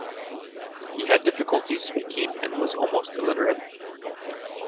He had difficulties speaking and was almost illiterate.